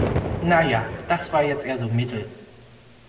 Na ja, das war jetzt eher so mittel.